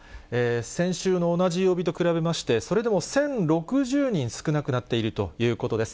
先週の同じ曜日と比べまして、それでも１０６０人少なくなっているということです。